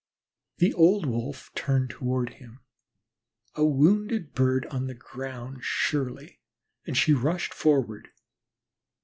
The old Wolf turned toward him, a wounded bird on the ground surely, and she rushed forward.